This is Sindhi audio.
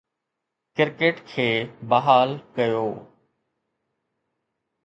ڪرڪيٽ کي بحال ڪيو